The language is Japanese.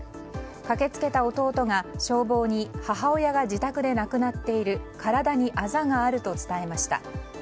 駆け付けた弟が消防に母親が自宅で亡くなっている体にあざがあると伝えました。